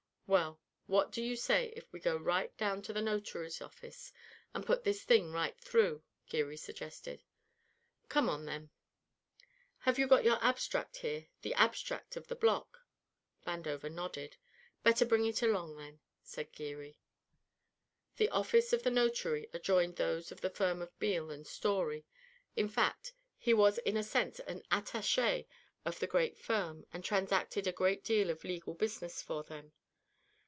"Well, what do you say if we go right down to a notary's office and put this thing right through," Geary suggested. "Come on, then." "Have you got your abstract here, the abstract of the block?" Vandover nodded. "Better bring it along, then," said Geary. The office of the notary adjoined those of the firm of Beale & Storey; in fact, he was in a sense an attaché of the great firm and transacted a great deal of legal business for them.